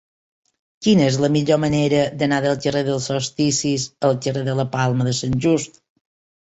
Quina és la millor manera d'anar del carrer dels Solsticis al carrer de la Palma de Sant Just?